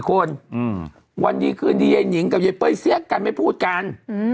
๔คนวันดีคืนดิแน่นิ้งกับจี๊ตเป้ยะกลายไม่พูดกัน